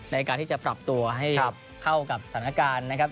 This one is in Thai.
ในการที่จะปรับตัวให้เข้ากับสถานการณ์นะครับ